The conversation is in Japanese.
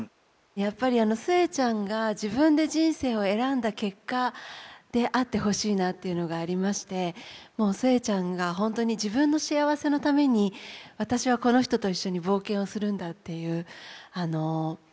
やっぱりあの寿恵ちゃんが自分で人生を選んだ結果であってほしいなというのがありましてもう寿恵ちゃんが本当に自分の幸せのために私はこの人と一緒に冒険をするんだという決意のシーンみたいになりました。